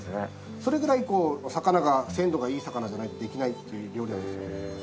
それぐらいこう魚が鮮度がいい魚じゃないとできないっていう料理なんですよ。